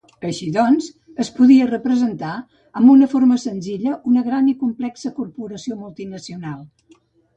Així doncs, es podia representar amb una forma senzilla una gran i complexa corporació multinacional.